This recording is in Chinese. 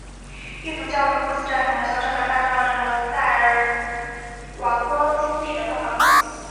异教徒们不仅占领了小镇还霸占了塞尔瓦托兄弟的大房子。